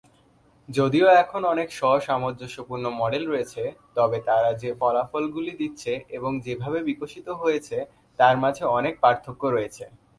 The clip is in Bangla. যদিও এখন অনেক স্ব-সামঞ্জস্যপূর্ণ মডেল রয়েছে, তবে তারা যে ফলাফলগুলি দিচ্ছে এবং যেভাবে বিকশিত হয়েছে, তার মাঝে অনেক পার্থক্য রয়েছে।